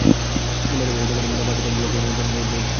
বাইরে বের হয়ে দেখেন পাড় থেকে ব্লক খসে নদের ভেতরে চলে যাচ্ছে।